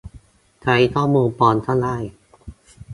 ใช้ข้อมูลปลอมก็ได้